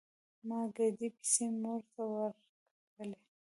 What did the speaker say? ما ګردې پيسې مور ته ورکولې.